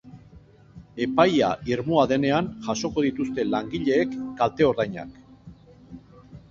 Epaia irmoa denean jasoko dituzte langileek kalte-ordainak.